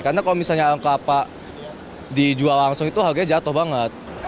karena kalau misalnya alang kelapa dijual langsung itu harganya jatuh banget